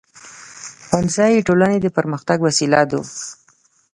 ښوونځی د ټولنې د پرمختګ وسیله ده.